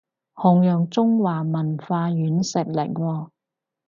弘揚中華文化軟實力喎